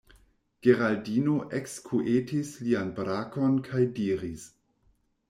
Geraldino ekskuetis lian brakon kaj diris: